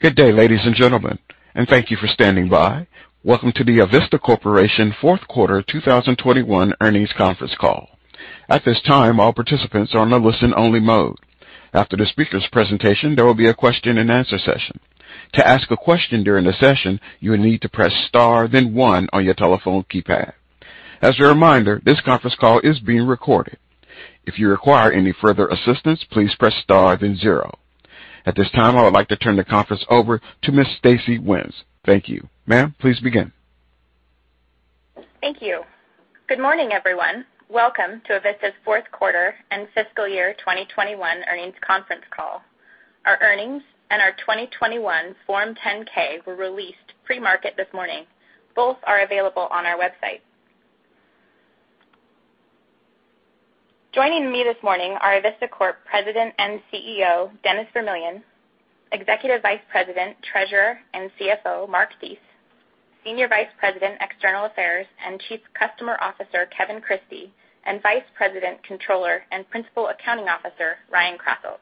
Good day, ladies and gentlemen, and thank you for standing by. Welcome to the Avista Corporation fourth quarter 2021 earnings conference call. At this time, all participants are in a listen-only mode. After the speaker's presentation, there will be a question-and-answer session. To ask a question during the session, you will need to press star, then one on your telephone keypad. As a reminder, this conference call is being recorded. If you require any further assistance, please press star, then zero. At this time, I would like to turn the conference over to Ms. Stacey Wenz. Thank you. Ma'am, please begin. Thank you. Good morning, everyone. Welcome to Avista's fourth quarter and fiscal year 2021 earnings conference call. Our earnings and our 2021 Form 10-K were released pre-market this morning. Both are available on our website. Joining me this morning are Avista Corp. President and CEO Dennis Vermillion, Executive Vice President, Treasurer and CFO Mark Thies, Senior Vice President, External Affairs and Chief Customer Officer Kevin Christie, and Vice President, Controller and Principal Accounting Officer Ryan Krasselt.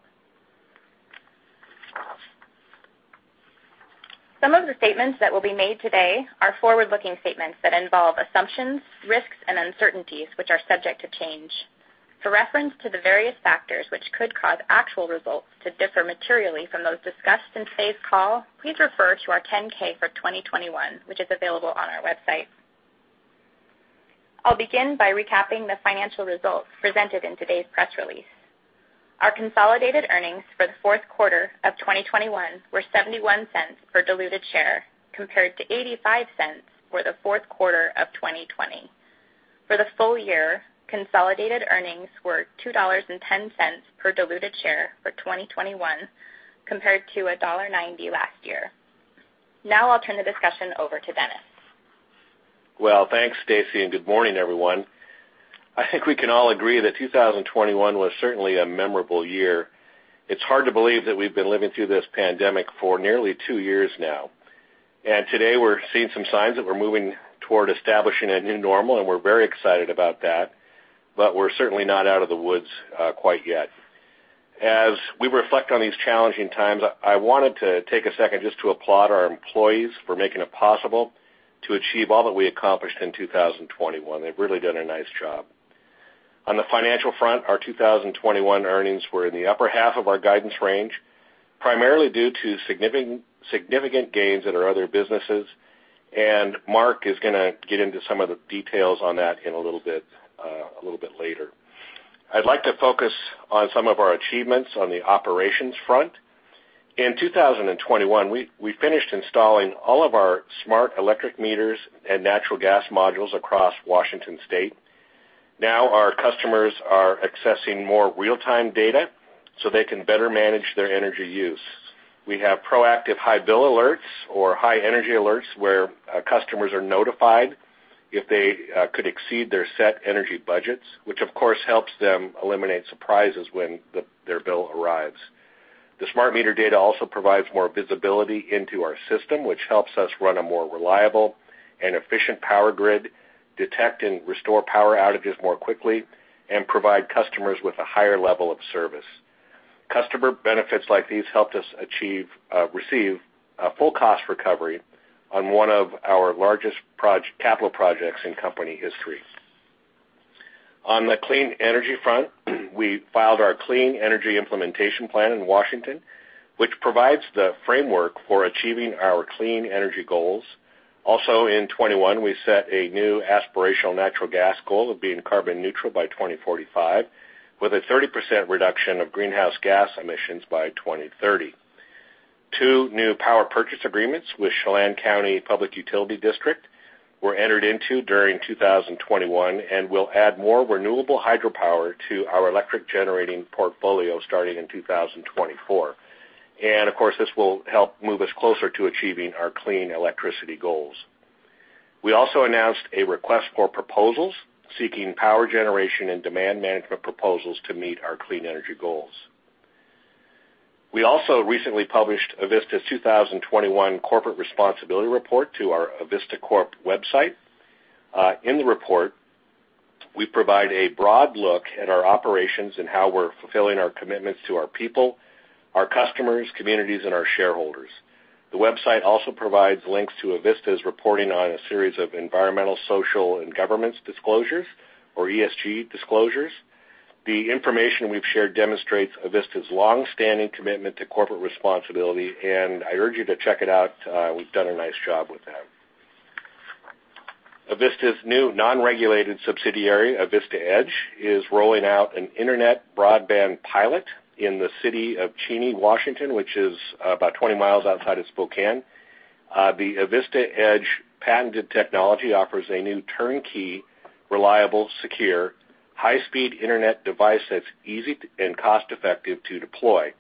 Some of the statements that will be made today are forward-looking statements that involve assumptions, risks and uncertainties which are subject to change. For reference to the various factors which could cause actual results to differ materially from those discussed in today's call, please refer to our 10-K for 2021, which is available on our website. I'll begin by recapping the financial results presented in today's press release. Our consolidated earnings for the fourth quarter of 2021 were $0.71 per diluted share, compared to $0.85 for the fourth quarter of 2020. For the full year, consolidated earnings were $2.10 per diluted share for 2021, compared to $1.90 last year. Now I'll turn the discussion over to Dennis. Well, thanks, Stacy, and good morning, everyone. I think we can all agree that 2021 was certainly a memorable year. It's hard to believe that we've been living through this pandemic for nearly two years now. Today we're seeing some signs that we're moving toward establishing a new normal, and we're very excited about that. We're certainly not out of the woods quite yet. As we reflect on these challenging times, I wanted to take a second just to applaud our employees for making it possible to achieve all that we accomplished in 2021. They've really done a nice job. On the financial front, our 2021 earnings were in the upper half of our guidance range, primarily due to significant gains in our other businesses. Mark is gonna get into some of the details on that in a little bit later. I'd like to focus on some of our achievements on the operations front. In 2021, we finished installing all of our smart electric meters and natural gas modules across Washington State. Now our customers are accessing more real-time data so they can better manage their energy use. We have proactive high bill alerts or high energy alerts, where customers are notified if they could exceed their set energy budgets, which of course helps them eliminate surprises when their bill arrives. The smart meter data also provides more visibility into our system, which helps us run a more reliable and efficient power grid, detect and restore power outages more quickly, and provide customers with a higher level of service. Customer benefits like these helped us receive full cost recovery on one of our largest capital projects in company history. On the clean energy front, we filed our Clean Energy Implementation Plan in Washington, which provides the framework for achieving our clean energy goals. Also in 2021, we set a new aspirational natural gas goal of being carbon neutral by 2045, with a 30% reduction of greenhouse gas emissions by 2030. Two new power purchase agreements with Chelan County Public Utility District were entered into during 2021 and will add more renewable hydropower to our electric generating portfolio starting in 2024. Of course, this will help move us closer to achieving our clean electricity goals. We also announced a request for proposals, seeking power generation and demand management proposals to meet our clean energy goals. We also recently published Avista's 2021 corporate responsibility report to our Avista Corp. website. In the report, we provide a broad look at our operations and how we're fulfilling our commitments to our people, our customers, communities, and our shareholders. The website also provides links to Avista's reporting on a series of environmental, social and governance disclosures or ESG disclosures. The information we've shared demonstrates Avista's long-standing commitment to corporate responsibility, and I urge you to check it out. We've done a nice job with that. Avista's new non-regulated subsidiary, Avista Edge, is rolling out an internet broadband pilot in the city of Cheney, Washington, which is about 20 mi outside of Spokane. The Avista Edge patented technology offers a new turnkey, reliable, secure, high-speed internet device that's easy and cost-effective to deploy.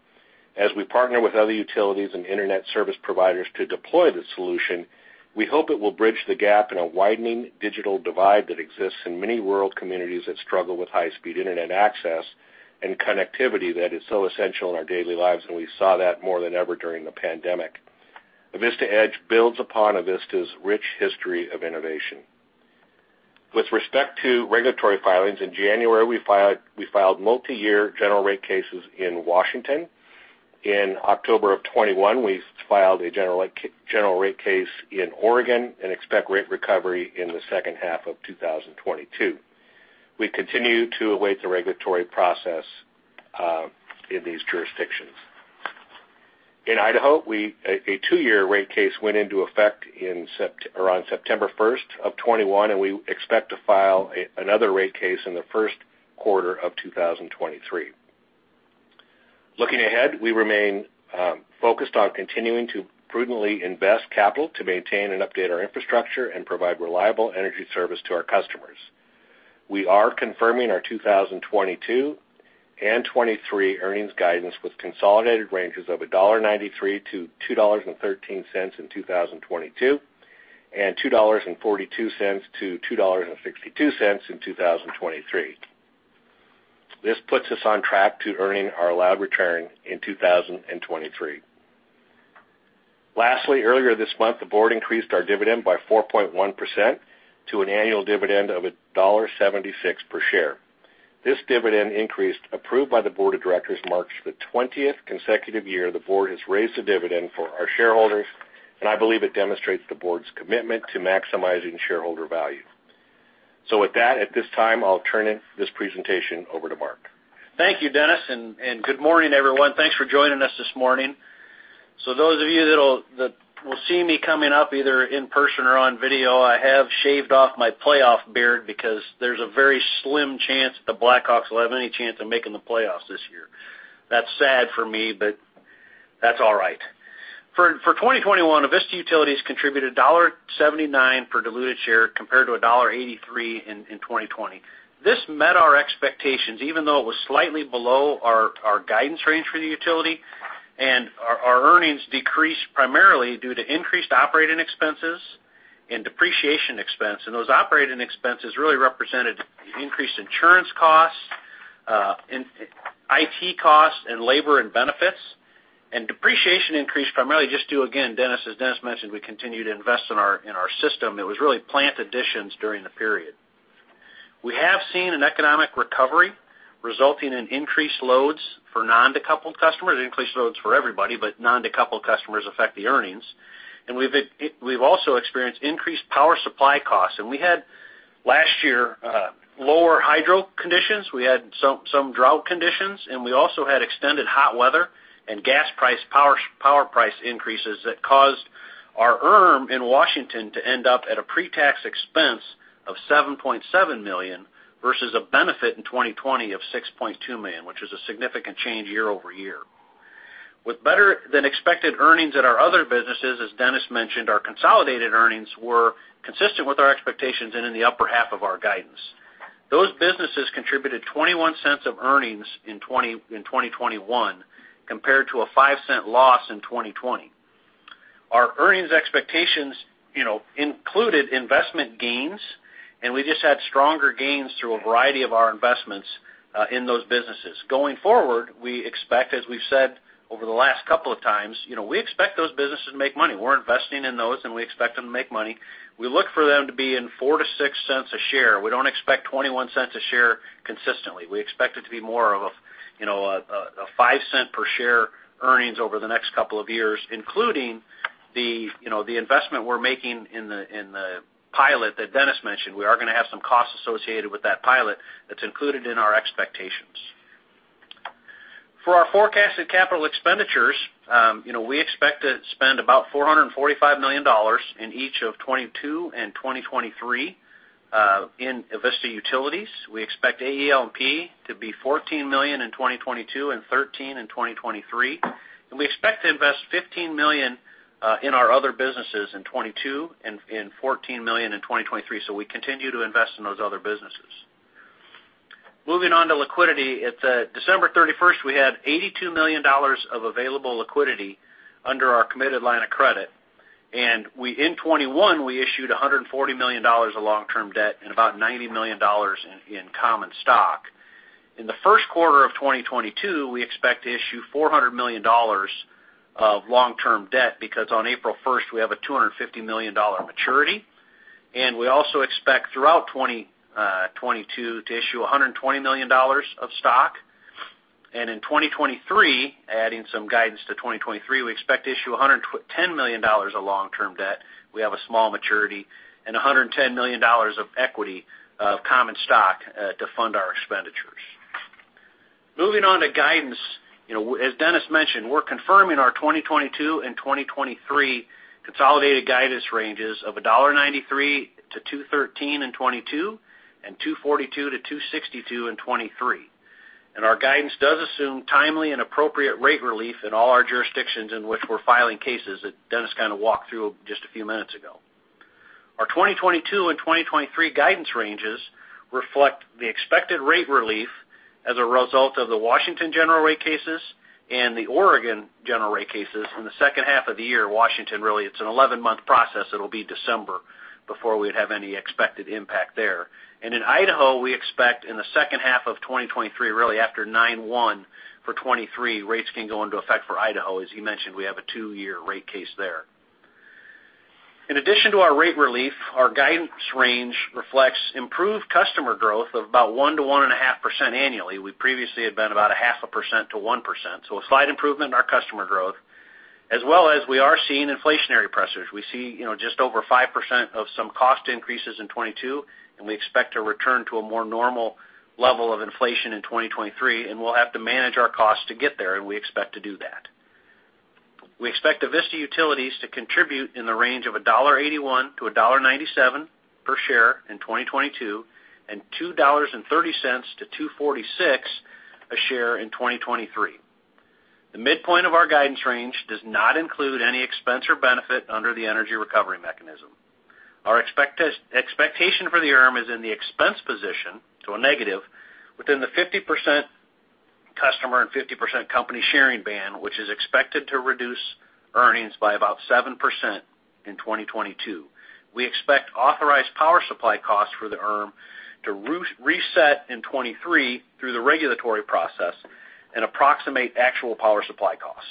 As we partner with other utilities and internet service providers to deploy this solution, we hope it will bridge the gap in a widening digital divide that exists in many rural communities that struggle with high-speed internet access and connectivity that is so essential in our daily lives, and we saw that more than ever during the pandemic. Avista Edge builds upon Avista's rich history of innovation. With respect to regulatory filings, in January, we filed multiyear general rate cases in Washington. In October of 2021, we filed a general rate case in Oregon and expect rate recovery in the second half of 2022. We continue to await the regulatory process in these jurisdictions. In Idaho, a two-year rate case went into effect around September 1, 2021, and we expect to file another rate case in the first quarter of 2023. Looking ahead, we remain focused on continuing to prudently invest capital to maintain and update our infrastructure and provide reliable energy service to our customers. We are confirming our 2022 and 2023 earnings guidance with consolidated ranges of $1.93-$2.13 in 2022, and $2.42-$2.62 in 2023. This puts us on track to earning our allowed return in 2023. Lastly, earlier this month, the board increased our dividend by 4.1% to an annual dividend of $1.76 per share. This dividend increase, approved by the board of directors, marks the twentieth consecutive year the board has raised the dividend for our shareholders, and I believe it demonstrates the board's commitment to maximizing shareholder value. With that, at this time, I'll turn this presentation over to Mark. Thank you, Dennis, and good morning, everyone. Thanks for joining us this morning. Those of you that will see me coming up, either in person or on video, I have shaved off my playoff beard because there's a very slim chance that the Blackhawks will have any chance of making the playoffs this year. That's sad for me, but that's all right. For 2021, Avista Utilities contributed $1.79 per diluted share compared to $1.83 in 2020. This met our expectations, even though it was slightly below our guidance range for the utility. Our earnings decreased primarily due to increased operating expenses and depreciation expense. Those operating expenses really represented increased insurance costs, and IT costs and labor and benefits. Depreciation increased primarily just due, again, Dennis, as Dennis mentioned, we continue to invest in our system. It was really plant additions during the period. We have seen an economic recovery resulting in increased loads for non-decoupled customers, increased loads for everybody, but non-decoupled customers affect the earnings. We've also experienced increased power supply costs. We had, last year, lower hydro conditions. We had some drought conditions, and we also had extended hot weather and power price increases that caused our ERM in Washington to end up at a pre-tax expense of $7.7 million versus a benefit in 2020 of $6.2 million, which is a significant change year over year. With better-than-expected earnings at our other businesses, as Dennis mentioned, our consolidated earnings were consistent with our expectations and in the upper half of our guidance. Those businesses contributed $0.21 of earnings in 2021 compared to a $0.05 loss in 2020. Our earnings expectations, you know, included investment gains, and we just had stronger gains through a variety of our investments in those businesses. Going forward, we expect, as we've said over the last couple of times, you know, we expect those businesses to make money. We're investing in those, and we expect them to make money. We look for them to be in $0.04-$0.06 a share. We don't expect $0.21 a share consistently. We expect it to be more of, you know, a $0.05 per share earnings over the next couple of years, including the, you know, the investment we're making in the pilot that Dennis mentioned. We are gonna have some costs associated with that pilot that's included in our expectations. For our forecasted capital expenditures, you know, we expect to spend about $445 million in each of 2022 and 2023 in Avista Utilities. We expect AEL&P to be $14 million in 2022 and $13 in 2023. We expect to invest $15 million in our other businesses in 2022 and $14 million in 2023, so we continue to invest in those other businesses. Moving on to liquidity. At December 31, we had $82 million of available liquidity under our committed line of credit. In 2021, we issued $140 million of long-term debt and about $90 million in common stock. In the first quarter of 2022, we expect to issue $400 million of long-term debt because on April 1, we have a $250 million maturity. We also expect throughout 2022 to issue $120 million of stock. In 2023, adding some guidance to 2023, we expect to issue $110 million of long-term debt, we have a small maturity, and $110 million of equity of common stock to fund our expenditures. Moving on to guidance. You know, as Dennis mentioned, we're confirming our 2022 and 2023 consolidated guidance ranges of $1.93-$2.13 in 2022 and $2.42-$2.62 in 2023. Our guidance does assume timely and appropriate rate relief in all our jurisdictions in which we're filing cases that Dennis kind of walked through just a few minutes ago. Our 2022 and 2023 guidance ranges reflect the expected rate relief as a result of the Washington general rate cases and the Oregon general rate cases. In the second half of the year, Washington, really, it's an 11-month process. It'll be December before we'd have any expected impact there. In Idaho, we expect in the second half of 2023, really after 9/1 for 2023, rates can go into effect for Idaho. As he mentioned, we have a two-year rate case there. In addition to our rate relief, our guidance range reflects improved customer growth of about 1%-1.5% annually. We previously had been about 0.5%-1%, so a slight improvement in our customer growth, as well as we are seeing inflationary pressures. We see, you know, just over 5% of some cost increases in 2022, and we expect to return to a more normal level of inflation in 2023, and we'll have to manage our costs to get there, and we expect to do that. We expect Avista Utilities to contribute in the range of $1.81-$1.97 per share in 2022 and $2.30-$2.46 a share in 2023. The midpoint of our guidance range does not include any expense or benefit under the energy recovery mechanism. Our expectation for the ERM is in the expense position to a negative within the 50% customer and 50% company sharing band, which is expected to reduce earnings by about 7% in 2022. We expect authorized power supply costs for the ERM to reset in 2023 through the regulatory process and approximate actual power supply costs.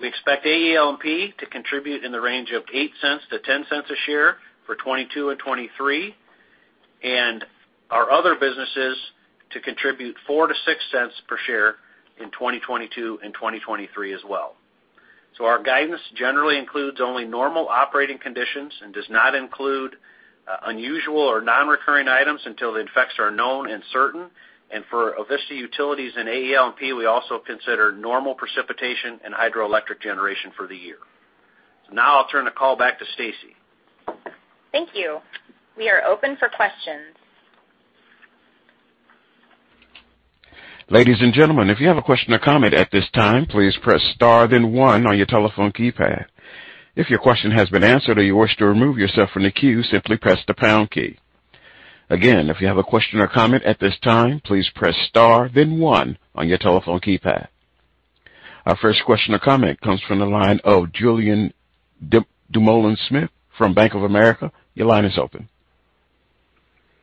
We expect AEL&P to contribute in the range of $0.08-$0.10 per share for 2022 and 2023, and our other businesses to contribute $0.04-$0.06 per share in 2022 and 2023 as well. Our guidance generally includes only normal operating conditions and does not include unusual or non-recurring items until the effects are known and certain. For Avista Utilities and AEL&P, we also consider normal precipitation and hydroelectric generation for the year. Now I'll turn the call back to Stacey. Thank you. We are open for questions. Our first question or comment comes from the line of Julien Dumoulin-Smith from Bank of America. Your line is open.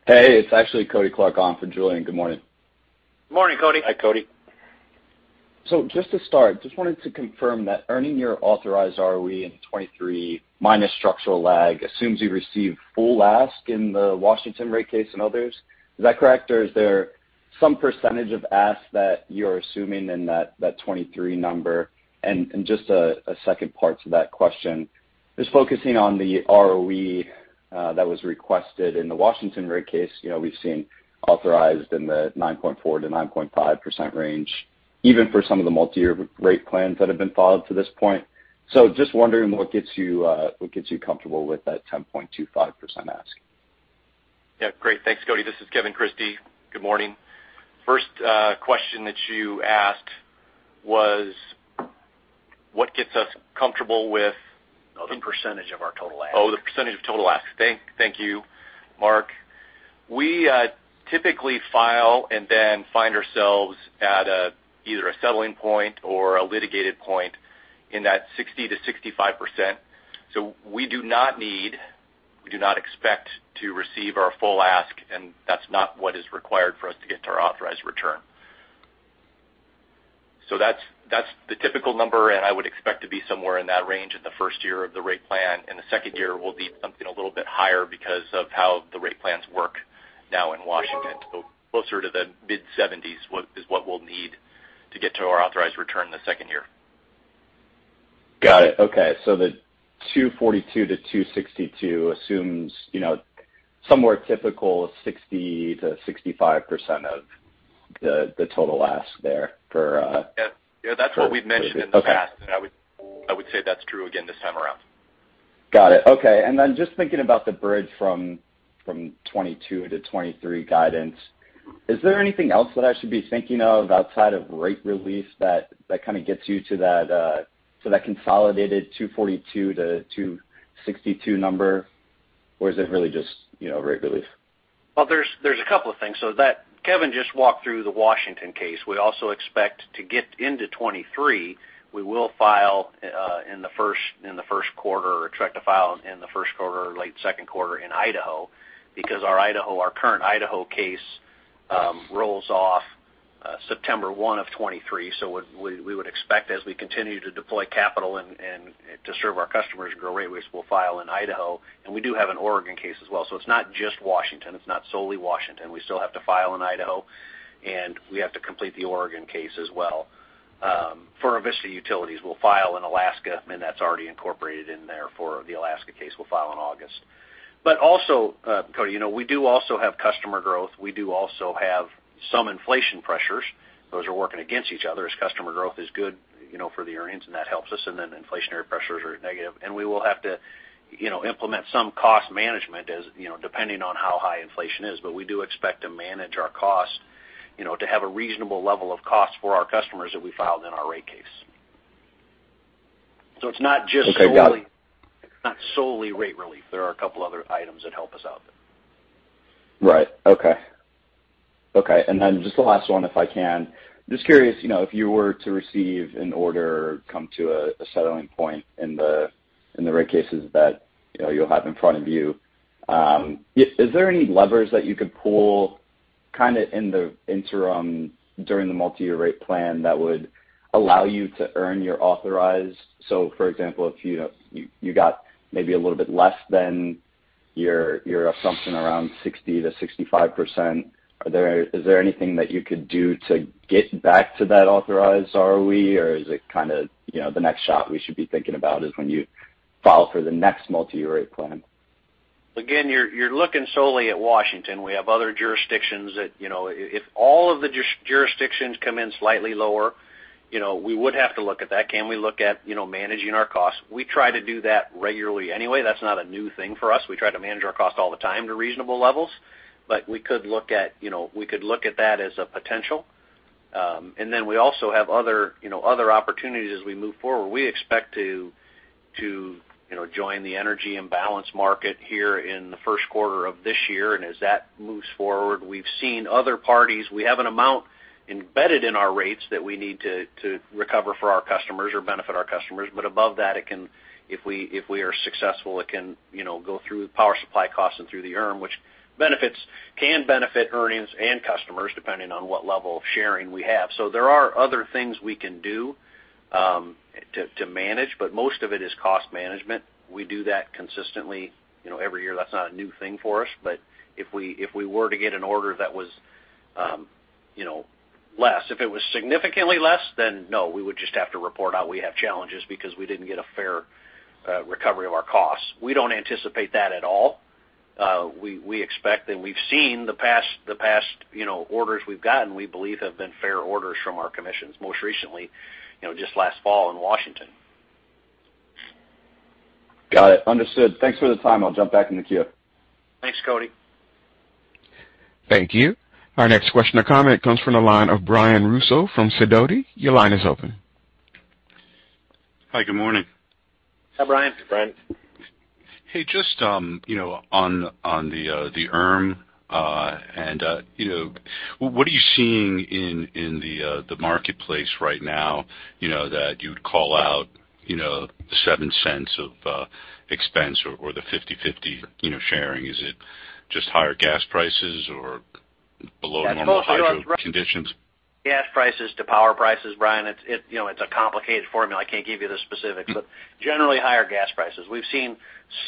Hey, it's actually Cody Clark on for Julian. Good morning. Morning, Cody. Hi, Cody. Just to start, just wanted to confirm that earning your authorized ROE in 2023 minus structural lag assumes you receive full ask in the Washington rate case and others. Is that correct, or is there some percentage of ask that you're assuming in that 2023 number? Just a second part to that question is focusing on the ROE that was requested in the Washington rate case. You know, we've seen authorized in the 9.4%-9.5% range, even for some of the multi-year rate plans that have been filed to this point. Just wondering what gets you comfortable with that 10.25% ask. Yeah. Great. Thanks, Cody. This is Kevin Christie. Good morning. First question that you asked was what gets us comfortable with- The percentage of our total ask. The percentage of total ask. Thank you, Mark. We typically file and then find ourselves at either a settling point or a litigated point in that 60%-65%. We do not need, we do not expect to receive our full ask, and that's not what is required for us to get to our authorized return. That's the typical number, and I would expect to be somewhere in that range in the first year of the rate plan, and the second year will be something a little bit higher because of how the rate plans work now in Washington. Closer to the mid-70s is what we'll need to get to our authorized return in the second year. Got it. Okay. The 242-262 assumes, you know, somewhere typically 60%-65% of the total ask, therefore Yeah. Yeah, that's what we've mentioned in the past. Okay. I would say that's true again this time around. Got it. Okay. Just thinking about the bridge from 2022-2023 guidance, is there anything else that I should be thinking of outside of rate relief that kind of gets you to that consolidated 242-262 number? Or is it really just, you know, rate relief? Well, there's a couple of things. Kevin just walked through the Washington case. We also expect to get into 2023. We will file in the first quarter or expect to file in the first quarter or late second quarter in Idaho because our current Idaho case rolls off September 1, 2023. What we would expect as we continue to deploy capital and to serve our customers' growth rate, we will file in Idaho, and we do have an Oregon case as well. It's not just Washington. It's not solely Washington. We still have to file in Idaho, and we have to complete the Oregon case as well. For Avista Utilities, we'll file in Alaska, and that's already incorporated in there for the Alaska case we'll file in August. Also, Cody, you know, we do also have customer growth. We do also have some inflation pressures. Those are working against each other as customer growth is good, you know, for the earnings, and that helps us, and then inflationary pressures are negative. We will have to, you know, implement some cost management as, you know, depending on how high inflation is. We do expect to manage our cost, you know, to have a reasonable level of cost for our customers that we filed in our rate case. It's not just solely- Okay. Got it. It's not solely rate relief. There are a couple other items that help us out there. Right. Okay. Okay. Just the last one, if I can. Just curious, you know, if you were to receive an order, come to a settling point in the rate cases that, you know, you'll have in front of you, is there any levers that you could pull? Kind of in the interim during the multi-year rate plan that would allow you to earn your authorized. For example, if you got maybe a little bit less than your assumption around 60%-65%, is there anything that you could do to get back to that authorized ROE? Or is it kind of, you know, the next shot we should be thinking about is when you file for the next multi-year rate plan? Again, you're looking solely at Washington. We have other jurisdictions that, you know, if all of the jurisdictions come in slightly lower, you know, we would have to look at that. Can we look at, you know, managing our costs? We try to do that regularly anyway. That's not a new thing for us. We try to manage our costs all the time to reasonable levels. But we could look at, you know, we could look at that as a potential. We also have other, you know, other opportunities as we move forward. We expect to, you know, join the Energy Imbalance Market here in the first quarter of this year. As that moves forward, we've seen other parties. We have an amount embedded in our rates that we need to recover for our customers or benefit our customers. Above that, it can, if we are successful, it can, you know, go through power supply costs and through the ERM, which can benefit earnings and customers depending on what level of sharing we have. There are other things we can do to manage, but most of it is cost management. We do that consistently, you know, every year. That's not a new thing for us. If we were to get an order that was, you know, less, if it was significantly less, then no, we would just have to report out we have challenges because we didn't get a fair recovery of our costs. We don't anticipate that at all. We expect and we've seen the past, you know, orders we've gotten, we believe have been fair orders from our commissions most recently, you know, just last fall in Washington. Got it. Understood. Thanks for the time. I'll jump back in the queue. Thanks, Cody. Thank you. Our next question or comment comes from the line of Brian Russo from Sidoti. Your line is open. Hi. Good morning. Hi, Brian. Brian. Hey, just you know on the ERM and you know what are you seeing in the marketplace right now you know that you'd call out you know $0.07 of expense or the 50/50 you know sharing? Is it just higher gas prices or below normal hydro conditions? Gas prices to power prices, Brian. It's, you know, it's a complicated formula. I can't give you the specifics, but generally higher gas prices. We've seen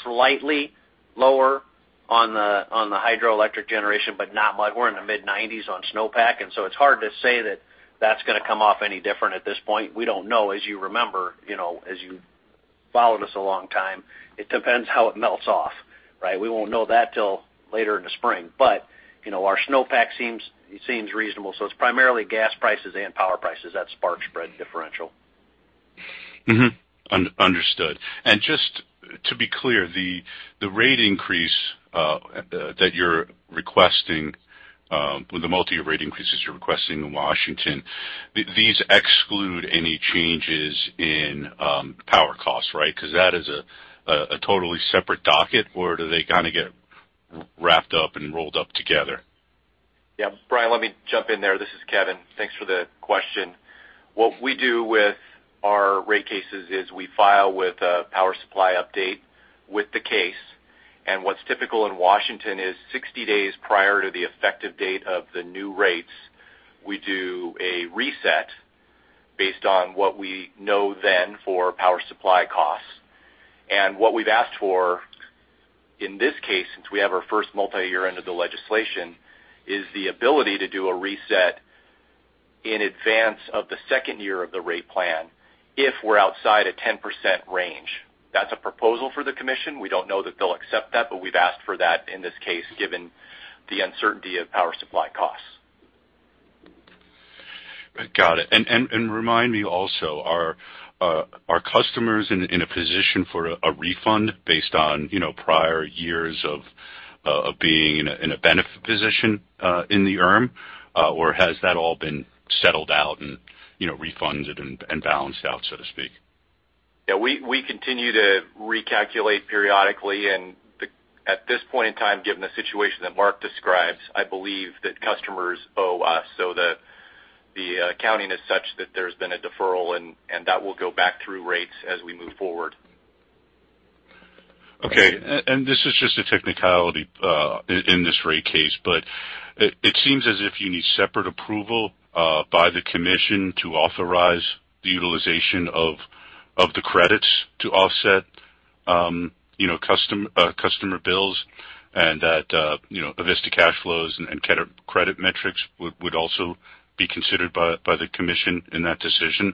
slightly lower on the hydroelectric generation, but not much. We're in the mid-90s on snowpack, and so it's hard to say that that's going to come off any different at this point. We don't know. As you remember, you know, as you followed us a long time, it depends how it melts off, right? We won't know that till later in the spring. You know, our snowpack seems reasonable. It's primarily gas prices and power prices that spark spread differential. Mm-hmm. Understood. Just to be clear, the rate increase that you're requesting with the multi-year rate increases you're requesting in Washington, these exclude any changes in power costs, right? Because that is a totally separate docket. Or do they kind of get wrapped up and rolled up together? Yeah. Brian, let me jump in there. This is Kevin. Thanks for the question. What we do with our rate cases is we file with a power supply update with the case. What's typical in Washington is 60 days prior to the effective date of the new rates, we do a reset based on what we know then for power supply costs. What we've asked for in this case, since we have our first multi-year under the legislation, is the ability to do a reset in advance of the second year of the rate plan if we're outside a 10% range. That's a proposal for the commission. We don't know that they'll accept that, but we've asked for that in this case, given the uncertainty of power supply costs. Got it. Remind me also, are customers in a position for a refund based on, you know, prior years of being in a benefit position in the ERM? Or has that all been settled out and, you know, refunded and balanced out, so to speak? Yeah, we continue to recalculate periodically. At this point in time, given the situation that Mark describes, I believe that customers owe us. The accounting is such that there's been a deferral and that will go back through rates as we move forward. This is just a technicality in this rate case, but it seems as if you need separate approval by the commission to authorize the utilization of the credits to offset, you know, customer bills and that, you know, Avista cash flows and credit metrics would also be considered by the commission in that decision.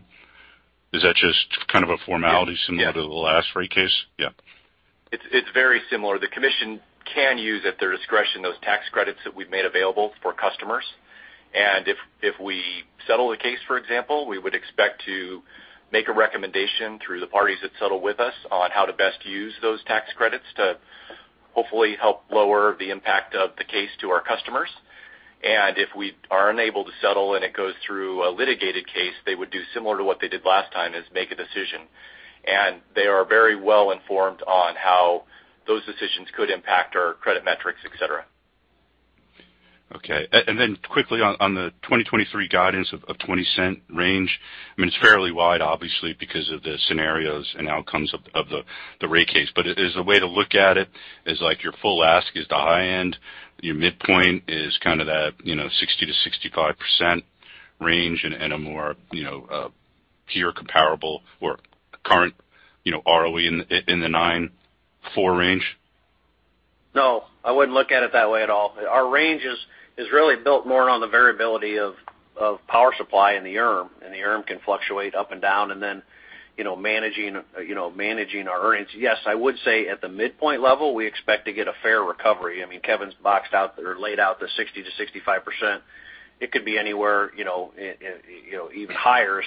Is that just kind of a formality similar to the last rate case? Yeah. It's very similar. The commission can use at their discretion those tax credits that we've made available for customers. If we settle the case, for example, we would expect to make a recommendation through the parties that settle with us on how to best use those tax credits to hopefully help lower the impact of the case to our customers. If we are unable to settle and it goes through a litigated case, they would do similar to what they did last time, is make a decision. They are very well informed on how those decisions could impact our credit metrics, et cetera. Okay. Then quickly on the 2023 guidance of $0.20 range. I mean, it's fairly wide, obviously, because of the scenarios and outcomes of the rate case. Is a way to look at it like your full ask is the high end, your midpoint is kind of that, you know, 60%-65% range and a more, you know, comparable or current, you know, ROE in the 9.4% range? No, I wouldn't look at it that way at all. Our range is really built more on the variability of power supply in the ERM, and the ERM can fluctuate up and down and then, you know, managing our earnings. Yes, I would say at the midpoint level, we expect to get a fair recovery. I mean, Kevin's boxed out or laid out the 60%-65%. It could be anywhere, you know, it, you know, even higher.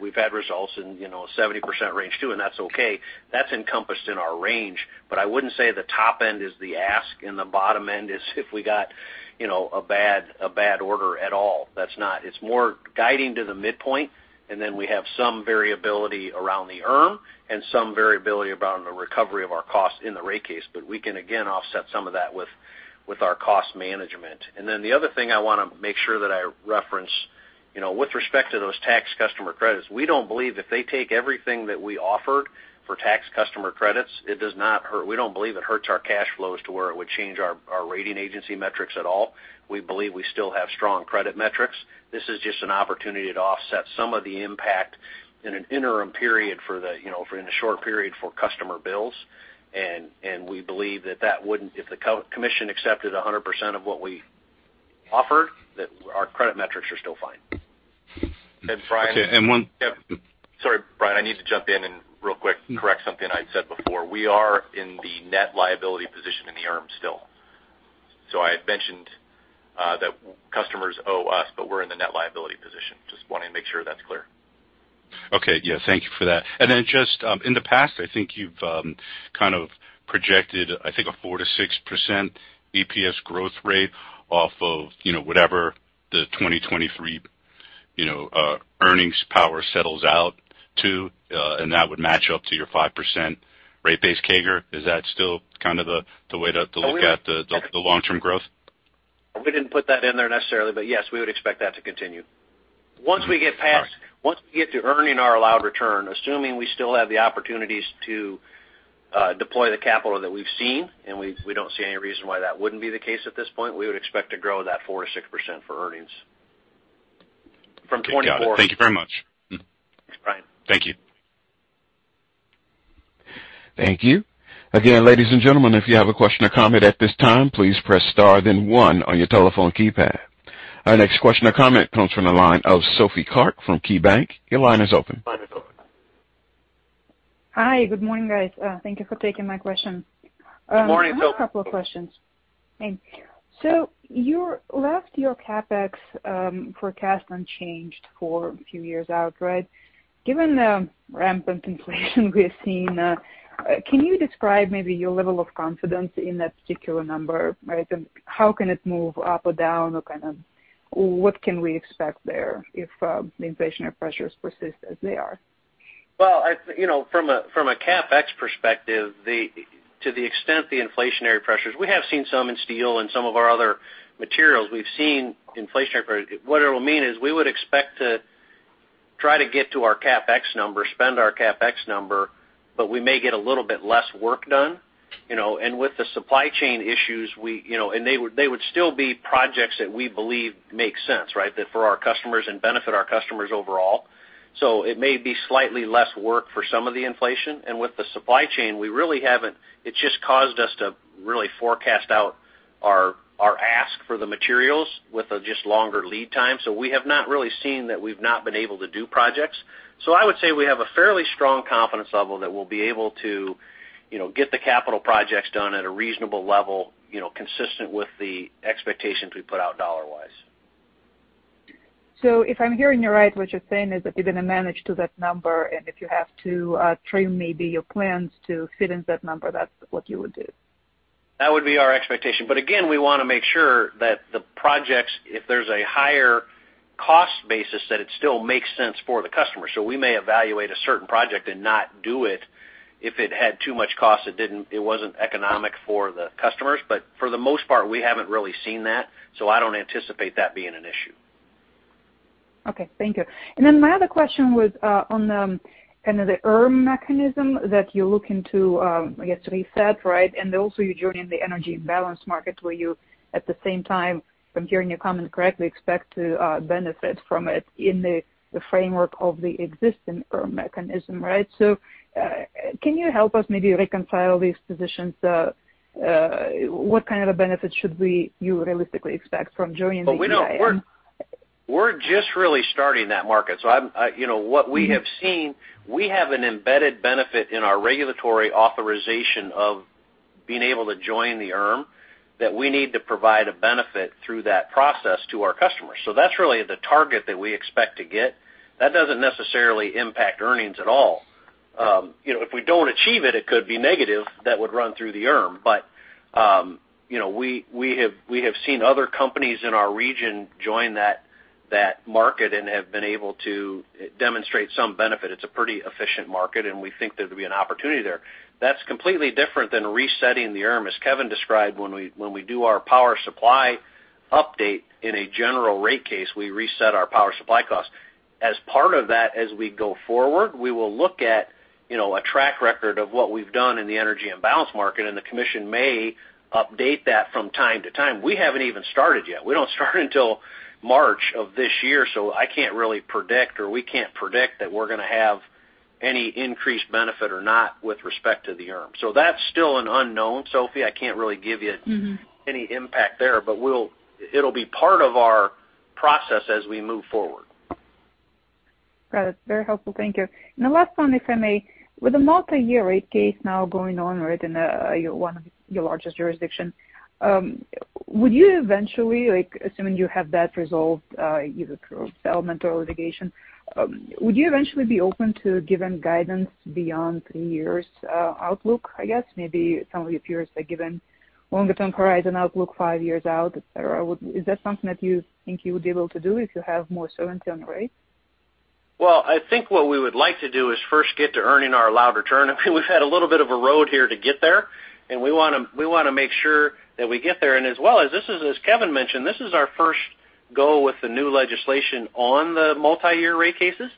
We've had results in, you know, 70% range too, and that's okay. That's encompassed in our range. But I wouldn't say the top end is the ask and the bottom end is if we got, you know, a bad order at all. That's not. It's more guiding to the midpoint. Then we have some variability around the ERM and some variability around the recovery of our cost in the rate case. We can again offset some of that with our cost management. Then the other thing I wanna make sure that I reference, you know, with respect to those tax customer credits, we don't believe if they take everything that we offered for tax customer credits, it does not hurt. We don't believe it hurts our cash flows to where it would change our rating agency metrics at all. We believe we still have strong credit metrics. This is just an opportunity to offset some of the impact in an interim period for the, you know, for in a short period for customer bills. We believe that if the commission accepted 100% of what we offered, that our credit metrics are still fine. Brian. Okay, and one. Sorry, Brian, I need to jump in and real quick correct something I said before. We are in the net liability position in the ERM still. I had mentioned that customers owe us, but we're in the net liability position. I just want to make sure that's clear. Okay. Yeah. Thank you for that. Just in the past, I think you've kind of projected, I think a 4%-6% EPS growth rate off of, you know, whatever the 2023, you know, earnings power settles out to, and that would match up to your 5% rate base CAGR. Is that still kind of the way to look at the long-term growth? We didn't put that in there necessarily, but yes, we would expect that to continue. Once we get to earning our allowed return, assuming we still have the opportunities to deploy the capital that we've seen, and we don't see any reason why that wouldn't be the case at this point, we would expect to grow that 4%-6% for earnings. From 2024- Got it. Thank you very much. Brian. Thank you. Thank you. Again, ladies and gentlemen, if you have a question or comment at this time, please press star then one on your telephone keypad. Our next question or comment comes from the line of Sophie Karp from KeyBanc. Your line is open. Hi. Good morning, guys. Thank you for taking my question. Good morning, Sophie. I have a couple of questions. Thanks. You left your CapEx forecast unchanged for a few years out, right? Given the rampant inflation we are seeing, can you describe maybe your level of confidence in that particular number, right? And how can it move up or down? Or kind of what can we expect there if the inflationary pressures persist as they are? Well, you know, from a CapEx perspective, to the extent the inflationary pressures, we have seen some in steel and some of our other materials. We've seen inflationary pressure. What it will mean is we would expect to try to get to our CapEx number, spend our CapEx number, but we may get a little bit less work done, you know. With the supply chain issues, we, you know, they would still be projects that we believe make sense, right? That for our customers and benefit our customers overall. It may be slightly less work for some of the inflation. With the supply chain, we really haven't. It's just caused us to really forecast out our ask for the materials with just a longer lead time. We have not really seen that we've not been able to do projects. I would say we have a fairly strong confidence level that we'll be able to, you know, get the capital projects done at a reasonable level, you know, consistent with the expectations we put out dollar-wise. If I'm hearing you right, what you're saying is that you're going to manage to that number, and if you have to, trim maybe your plans to fit in that number, that's what you would do. That would be our expectation. Again, we want to make sure that the projects, if there's a higher cost basis, that it still makes sense for the customer. We may evaluate a certain project and not do it if it had too much cost, it wasn't economic for the customers. For the most part, we haven't really seen that. I don't anticipate that being an issue. Okay. Thank you. My other question was on kind of the ERM mechanism that you're looking to I guess reset, right? Also you're joining the Energy Imbalance Market where you, at the same time, if I'm hearing your comment correctly, expect to benefit from it in the framework of the existing ERM mechanism, right? Can you help us maybe reconcile these positions? What kind of a benefit should you realistically expect from joining the EIM? We're just really starting that market. I'm, I-- you know, what we have seen, we have an embedded benefit in our regulatory authorization of being able to join the ERM that we need to provide a benefit through that process to our customers. That's really the target that we expect to get. That doesn't necessarily impact earnings at all. You know, if we don't achieve it could be negative that would run through the ERM. You know, we have seen other companies in our region join that market and have been able to demonstrate some benefit. It's a pretty efficient market, and we think there'd be an opportunity there. That's completely different than resetting the ERM, as Kevin described, when we do our power supply update in a general rate case, we reset our power supply cost. As part of that, as we go forward, we will look at. You know, a track record of what we've done in the Energy Imbalance Market, and the commission may update that from time to time. We haven't even started yet. We don't start until March of this year, so I can't really predict or we can't predict that we're gonna have any increased benefit or not with respect to the ERM. So that's still an unknown, Sophie. I can't really give you- Mm-hmm. any impact there, but it'll be part of our process as we move forward. Got it. Very helpful. Thank you. The last one, if I may. With the multi-year rate case now going on right in one of your largest jurisdiction, would you eventually, like assuming you have that resolved, either through settlement or litigation, be open to giving guidance beyond three years outlook, I guess? Maybe some of your peers are given longer-term horizon outlook, five years out, et cetera. Is that something that you think you would be able to do if you have more certainty on the rate? I think what we would like to do is first get to earning our allowed return. I mean, we've had a little bit of a road here to get there, and we wanna make sure that we get there. As well as this is, as Kevin mentioned, this is our first go with the new legislation on the multi-year rate cases.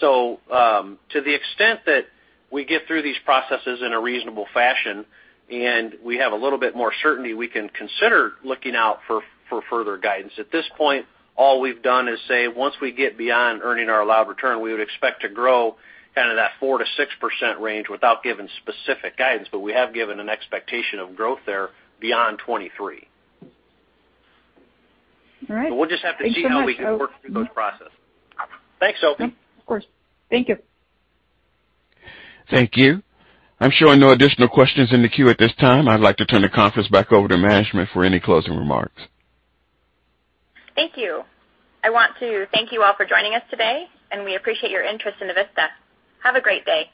To the extent that we get through these processes in a reasonable fashion and we have a little bit more certainty, we can consider looking out for further guidance. At this point, all we've done is say, once we get beyond earning our allowed return, we would expect to grow kind of that 4%-6% range without giving specific guidance. We have given an expectation of growth there beyond 2023. All right. We'll just have to see how we can work through those processes. Thanks so much. Thanks, Sophie. Of course. Thank you. Thank you. I'm showing no additional questions in the queue at this time. I'd like to turn the conference back over to management for any closing remarks. Thank you. I want to thank you all for joining us today, and we appreciate your interest in Avista. Have a great day.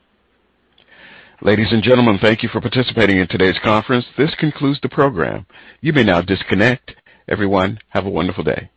Ladies and gentlemen, thank you for participating in today's conference. This concludes the program. You may now disconnect. Everyone, have a wonderful day.